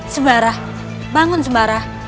sembarah bangun sembarah